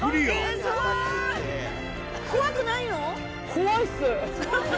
「怖いっす」。